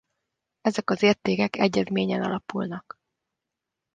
Ezek az értékek egyezményen alapulnak.